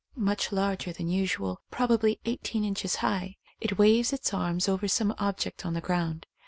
Much larger than usual, probably eighteen inches high. It waves its arms over some object on the ground.